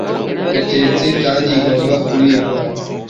yatetse kandi igomba kuribwa